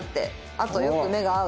「あとよく目が合う。